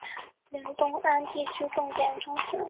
原六安地区重点中学。